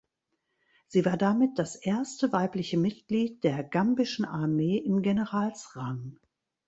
Sie war damit das erste weibliche Mitglied der gambischen Armee im Generalsrang.